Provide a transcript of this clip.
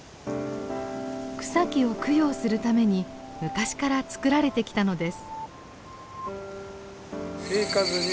草木を供養するために昔から作られてきたのです。